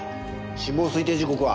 死亡推定時刻は？